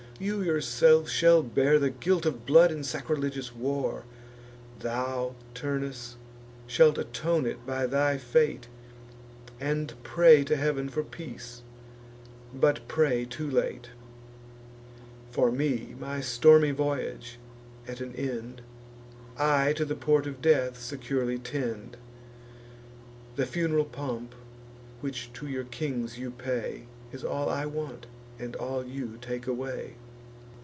you yourselves shall bear The guilt of blood and sacrilegious war: Thou, Turnus, shalt atone it by thy fate, And pray to Heav'n for peace, but pray too late. For me, my stormy voyage at an end, I to the port of death securely tend. The fun'ral pomp which to your kings you pay, Is all I want, and all you take away."